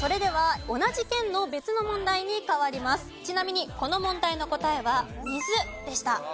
ちなみにこの問題の答えは水でした。